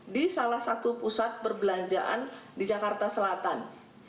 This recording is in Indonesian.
di salah satu pusat perbelanjaan di jakarta selatan